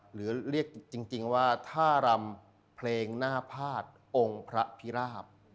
หรือเรียกจริงว่าท่ารำเพลงหน้าพาดองค์พระพิราบ